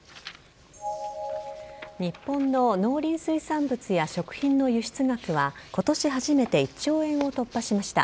日本の農林水産物や食品の輸出額は、ことし初めて１兆円を突破しました。